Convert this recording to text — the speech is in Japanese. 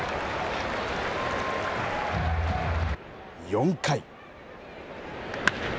４回。